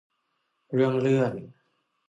เรื่องเลื่อน